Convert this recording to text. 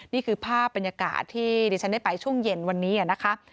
นี่คือภาพบรรยากาศที่ดิฉันได้ไปช่วงเย็นวันนี้นะคะ